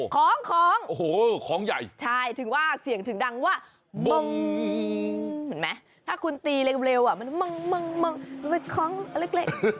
ของโอ้โหของใหญ่ใช่ถึงว่าเสียงถึงดังว่ามงถ้าคุณตีเร็วมันมงมันมีของเล็ก